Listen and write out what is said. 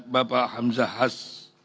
bapak hamzah has